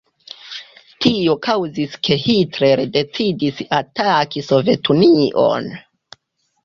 Tio kaŭzis ke Hitler decidis ataki Sovetunion.